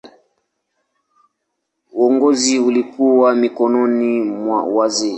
Uongozi ulikuwa mikononi mwa wazee.